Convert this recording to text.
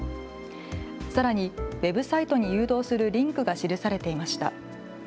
さらにウェブサイトに誘導するリンクが記されていました。